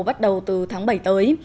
bắt đầu từ tháng bảy tới